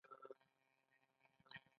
پردیو توکو ته لیوالتیا غلامي ده.